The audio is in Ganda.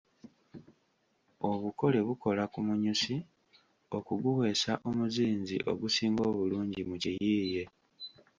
Obukole bukola ku munyusi okuguweesa omuzinzi ogusinga obulungi mu kiyiiye.